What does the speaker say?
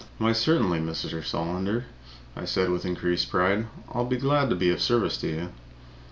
"Why, certainly, Mr. Solander," I said with increased pride. "I'll be glad to be of service to you."